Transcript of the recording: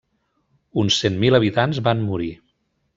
Uns cent mil habitants van morir.